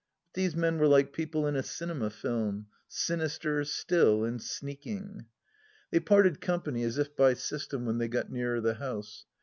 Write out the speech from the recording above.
But these men were like people in a cinema film — sinister, still, and sneaking. They parted company, as if by system, when they got nearer the house.